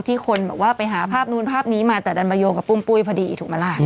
ที่คนว่าไปหาภาพนู้นพิกันมาแต่ดันมายกและปุ้มปุ้ยพอดีถูกมาได้